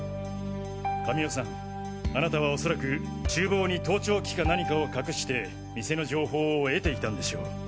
神尾さんあなたはおそらく厨房に盗聴器か何かを隠して店の情報を得ていたんでしょう。